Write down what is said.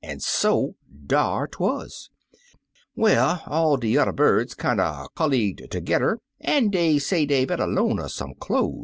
An' so dar 'twuz. Well, all de yuther birds kinder collogued tergedder, an' dey say dey better loan her some cloze.